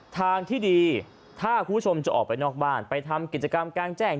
ทางที่ดีถ้าคุณผู้ชมจะออกไปนอกบ้านไปทำกิจกรรมกลางแจ้ง